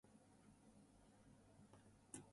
All his doubts were gone.